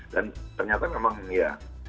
dan ternyata memang ya